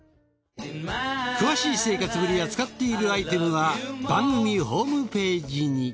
詳しい生活ぶりや使っているアイテムは番組ホームページに。